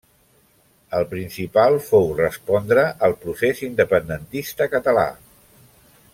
El principal fou respondre al procés independentista català.